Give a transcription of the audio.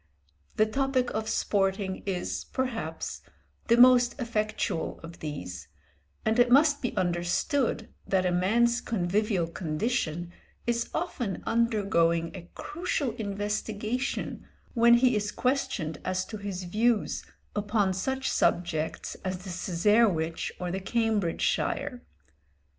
The topic of sporting is, perhaps, the most effectual of these, and it must be understood that a man's convivial condition is often undergoing a crucial investigation when he is questioned as to his views upon such subjects as the Cesarewitch or the Cambridgeshire.